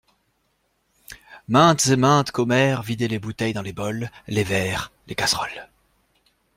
Maintes et maintes commères vidaient les bouteilles dans les bols, les verres, les casseroles.